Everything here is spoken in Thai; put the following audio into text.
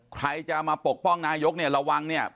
ใครจะมาปกป้องนายกระวังนะ